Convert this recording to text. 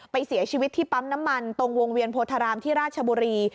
ไปเสียชีวิตที่ปั๊มน้ำมันตรงวงเวียนโพธารามที่ราชบุรี